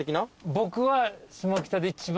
僕は。